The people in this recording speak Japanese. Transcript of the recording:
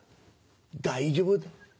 大丈夫だ。